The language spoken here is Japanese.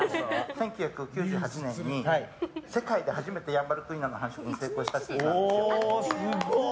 １９９８年に世界で初めてヤンバルクイナの繁殖に成功したんですよ。